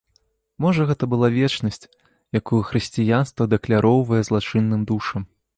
Можа гэта была вечнасць, якую хрысціянства дакляроўвае злачынным душам.